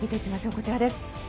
こちらです。